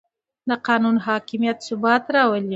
د قانون حاکمیت ثبات راولي